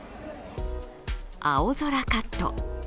青空カット。